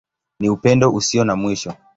Ni Upendo Usio na Mwisho.